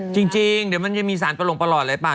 จริงเดี๋ยวมันจะมีสารปลงประหลอดอะไรเปล่า